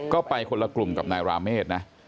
ก็ไปคนละกลุ่มกับนายราเมฆนะ